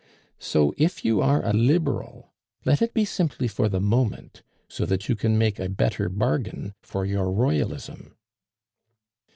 So if you are a Liberal, let it be simply for the moment, so that you can make a better bargain for your Royalism."